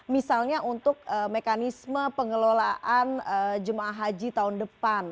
misalnya untuk mekanisme pengelolaan jemaah haji tahun depan